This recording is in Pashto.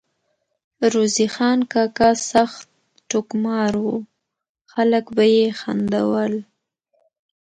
روزې خان کاکا سخت ټوکمار وو ، خلک به ئی خندول